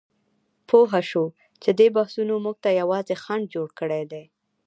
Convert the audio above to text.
پوهه شو چې دې بحثونو موږ ته یوازې خنډ جوړ کړی دی.